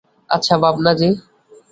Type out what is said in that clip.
আচ্ছা, ভাবনা জি।